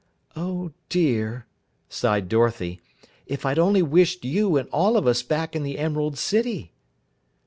"Oh, dear!" sighed Dorothy, "If I'd only wished you and all of us back in the Emerald City!"